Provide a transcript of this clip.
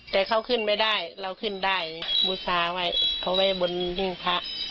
แต่เขาขึ้นไม่ได้เราขึ้นได้บูชาไว้เขาไว้บนหิ้งพระ